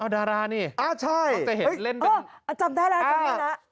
ดารานี่พวกจะเห็นเล่นกันอ้าวจำได้แล้วคำนี้นะ